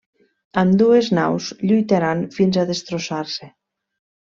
Ambdues naus lluitaran fins a destrossar-se.